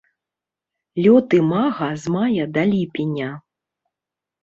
Лёт імага з мая да ліпеня.